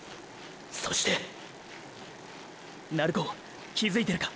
そしてーー鳴子気づいてるか。